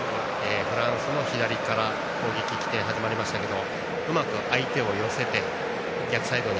フランスの左から攻撃起点に始まりましたけどうまく相手を寄せて逆サイドに。